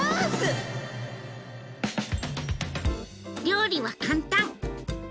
料理は簡単！